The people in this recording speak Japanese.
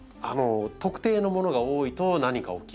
特定のものが多いと何か起きる。